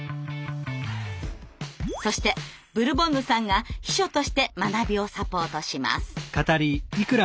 そしてブルボンヌさんが秘書として学びをサポートします。